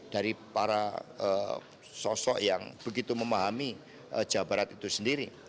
dari para sosok yang begitu memahami jawa barat itu sendiri